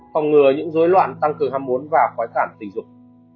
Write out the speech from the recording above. phòng ngừa những dối loạn tăng cường hâm mốn và khói cản tình dục